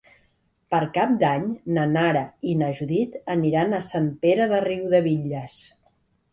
Per Cap d'Any na Nara i na Judit aniran a Sant Pere de Riudebitlles.